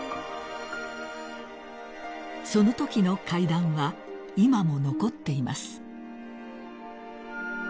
［そのときの階段は今も残っています］